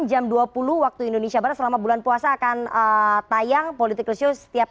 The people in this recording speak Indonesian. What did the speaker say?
jam dua puluh indonesia barat selama bulan puasa akan tayang politik khusus setiap